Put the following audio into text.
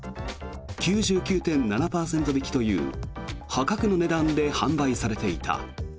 ９９．７％引きという破格の値段で販売されていた。